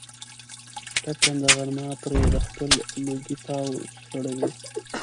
ټکنده غرمه پرې د خپلې لوږې تاو سړوي.